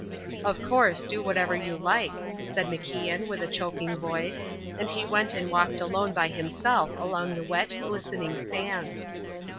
"Of course, do whatever you like," said MacIan, with a choking voice, and he went and walked alone by himself along the wet, glistening sands.